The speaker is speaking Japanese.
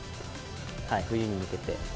冬に向けて。